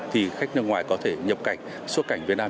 thì khách nước ngoài có thể nhập cảnh xuất cảnh việt nam